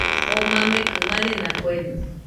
Oo mamekɨ marena kueno